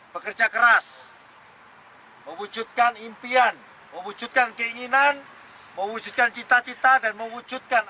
bekerja keras mewujudkan impian mewujudkan keinginan mewujudkan cita cita dan mewujudkan